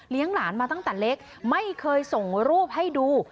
หลานมาตั้งแต่เล็กไม่เคยส่งรูปให้ดู